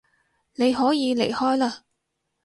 你可以離開嘞